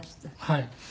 はい。